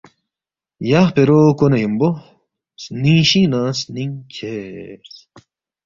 یا خپیرو کو نہ یمبو سنینگ شینگ نہ سنیگ کھیرس۔